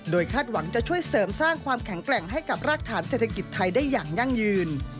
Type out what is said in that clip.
คาดหวังจะช่วยเสริมสร้างความแข็งแกร่งให้กับรากฐานเศรษฐกิจไทยได้อย่างยั่งยืน